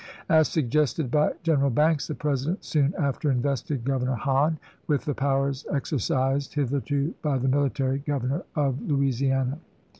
As suggested by General Banks, the President soon after invested Grovernor Hahn " with the powers exercised hitherto by the military governor of Louisiana."